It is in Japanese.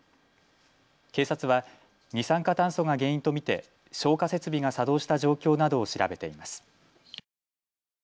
警察は二酸化炭素が原因と見て消火設備が作動した状況などを調べています。